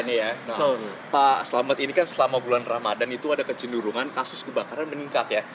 pak selamat ini kan selama bulan ramadhan itu ada kecenderungan kasus kebakaran meningkat ya